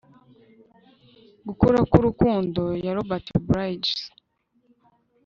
Gukura kwUrukundo ya Robert Bridges